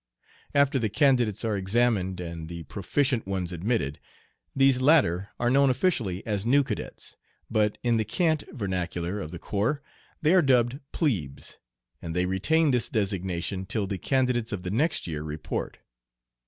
After the candidates are examined and the proficient ones admitted, these latter are known officially as "new cadets," but in the cant vernacular of the corps they are dubbed "plebes," and they retain this designation till the candidates of the next year report.